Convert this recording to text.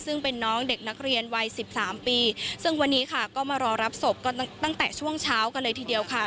ซึ่งเป็นน้องเด็กนักเรียนวัยสิบสามปีซึ่งวันนี้ค่ะก็มารอรับศพก็ตั้งแต่ช่วงเช้ากันเลยทีเดียวค่ะ